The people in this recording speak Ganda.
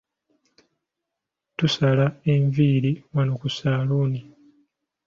Tusala enviiri wanno ku ssaaluuni.